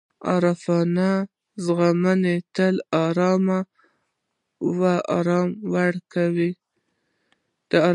د عارفانو ږغونه تل آرامي ورکوي.